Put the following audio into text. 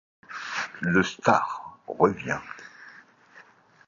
Le Star revient.